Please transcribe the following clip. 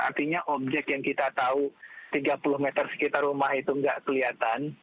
artinya objek yang kita tahu tiga puluh meter sekitar rumah itu nggak kelihatan